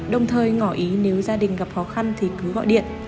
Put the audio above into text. đồng thời ngỏ ý nếu gia đình gặp khó khăn thì cứ gọi điện